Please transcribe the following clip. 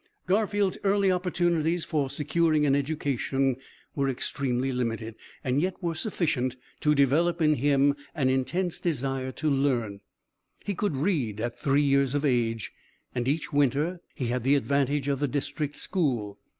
"Garfield's early opportunities for securing an education were extremely limited, and yet were sufficient to develop in him an intense desire to learn. He could read at three years of age, and each winter he had the advantage of the district school.